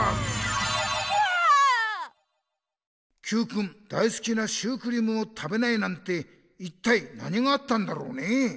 Ｑくん大すきなシュークリームを食べないなんて一体何があったんだろうね？